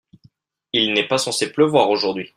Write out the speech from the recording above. Il n'est pas censé pleuvoir aujourd'hui.